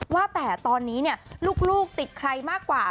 ว่าแต่ตอนนี้เนี่ยลูกติดใครมากกว่า